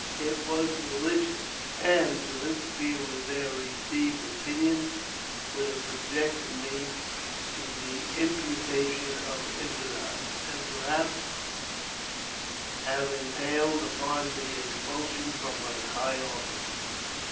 It was religion ; and to interfere with their received opinions would have subjected me to th^ imputation of infidel, and perhaps have entailed upon mei expulsion from my high office.